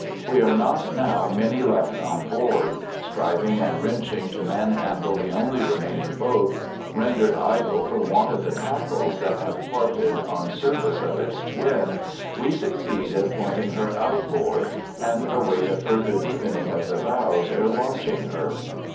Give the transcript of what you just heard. We are not now many left on board. Striving and wrenching to man handle the only remaining boat rendered idle for want of the tackles that have parted on service of its twin we succeed in pointing her outboard, and await a further deepening of the bows ere launching her.